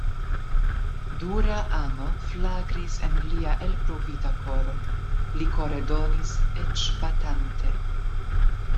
Dura amo flagris en lia elprovita koro; li kore donis, eĉ batante.